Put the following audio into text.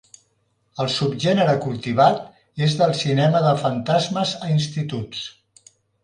El subgènere cultivat és del cinema de fantasmes a instituts.